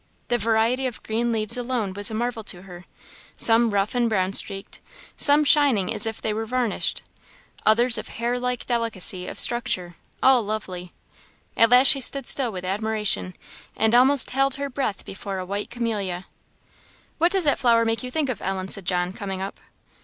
The variety of green leaves alone was a marvel to her; some rough and brown streaked, some shining as if they were varnished, others of hair like delicacy of structure all lovely. At last she stood still with admiration, and almost held her breath before a white camellia. "What does that flower make you think of, Ellen?" said John, coming up.